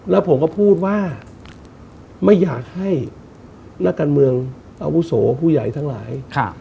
แล้วผมก็พูดว่าไม่อยากให้นักการเมืองอาวุโสผู้ใหญ่ทั้งหลาย